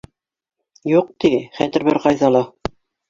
Юҡ, ти, Хәтер бер ҡайҙа ла!